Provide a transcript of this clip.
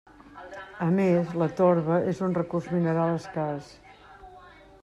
A més, la torba és un recurs mineral escàs.